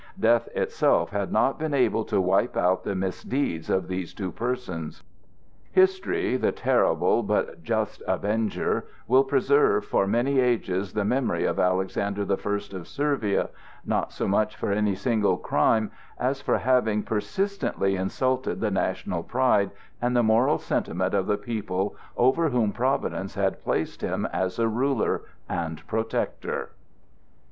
Death itself had not been able to wipe out the misdeeds of these two persons. History, the terrible but just avenger, will preserve for many ages the memory of Alexander the First of Servia, not so much for any single crime, as for having persistently insulted the national pride and the moral sentiment of the people over whom Providence had placed him as ruler and protector.